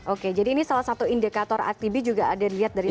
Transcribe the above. oke jadi ini salah satu indikator atb juga ada dilihat dari